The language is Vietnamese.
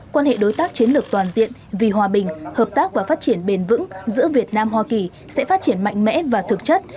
quan hệ đối tác chiến lược toàn diện vì hòa bình hợp tác và phát triển bền vững giữa việt nam hoa kỳ sẽ phát triển mạnh mẽ và thực chất